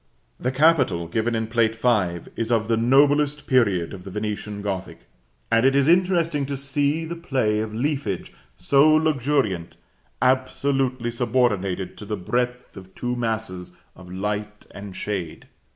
The capital, given in Plate V., is of the noblest period of the Venetian Gothic; and it is interesting to see the play of leafage so luxuriant, absolutely subordinated to the breadth of two masses of light and shade.